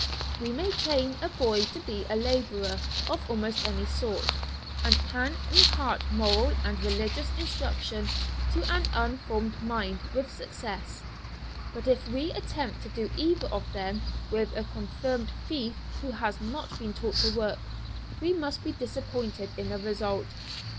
We may train a boy to be a labourer of almost any sort, and can impart moral and religious instruction to an unformed mind with success, but if we attempt to do either of them with a confirmed thief who has not been taught to work, we must be disappointed in the result.